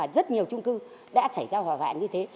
rất nhiều trung cư đã xảy ra hỏa vạn như thế